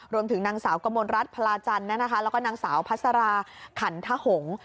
รวมถึงนางสาวกมลรัฐพลาจันทร์แล้วก็นางสาวพัสราขันทหงษ์